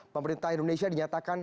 pemerintah indonesia dinyatakan